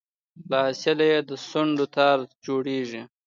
له حاصله یې د سونډو تار جوړیږي